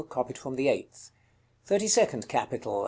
Copied from the eighth. THIRTY SECOND CAPITAL.